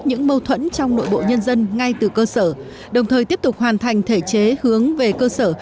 những mâu thuẫn trong nội bộ nhân dân ngay từ cơ sở đồng thời tiếp tục hoàn thành thể chế hướng về cơ sở